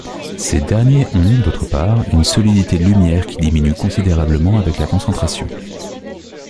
Ces derniers ont, d'autre part, une solidité lumière qui diminue considérablement avec la concentration.